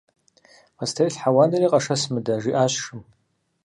- Къыстелъхьэ уанэри, къэшэс мыдэ! - жиӏащ шым.